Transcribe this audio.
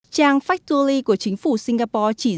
trang factually của chính phủ singapore chỉ có một trường hợp